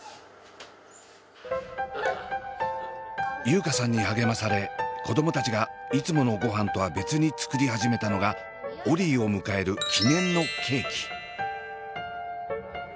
優佳さんに励まされ子供たちがいつものごはんとは別に作り始めたのがオリィを迎える記念のケーキ。